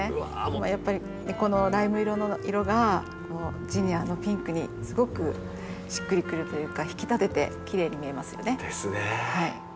やっぱりこのライム色がジニアのピンクにすごくしっくりくるというか引き立ててきれいに見えますよね。